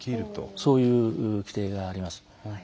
そういう規定があります。